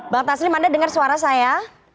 bang taslim anda dengar suara saya